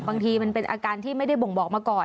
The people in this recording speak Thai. บางทีมันเป็นอาการที่ไม่ได้บ่งบอกมาก่อน